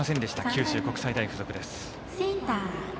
九州国際大付属。